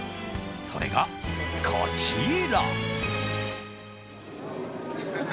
それが、こちら。